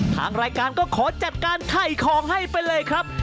ทางรายการก็ขอจัดการไถ่ของให้ไปเลยครับ